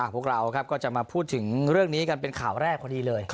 พวกเราก็จะมาพูดถึงเรื่องนี้กันเป็นข่าวแรกพอดีเลย